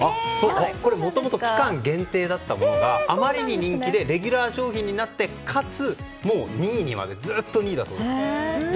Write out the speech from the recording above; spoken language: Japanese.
もともと期間限定だったものがあまりに人気でレギュラー商品になってかつ、２位にまで。